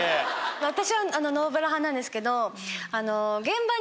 私はノーブラ派なんですけど。